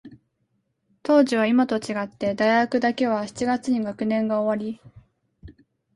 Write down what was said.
当時は、いまと違って、大学だけは七月に学年が終わり、